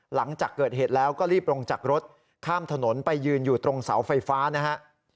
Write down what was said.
หลังจากเกิดเหตุแล้วก็รีบลงจากรถข้ามถนนไปยืนอยู่ตรงเสาไฟฟ้านะฮะ